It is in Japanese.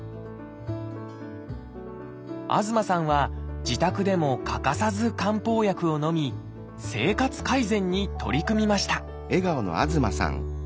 東さんは自宅でも欠かさず漢方薬をのみ生活改善に取り組みました